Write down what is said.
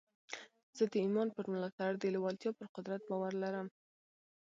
زه د ایمان پر ملاتړ د لېوالتیا پر قدرت باور لرم